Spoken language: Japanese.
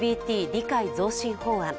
理解増進法案。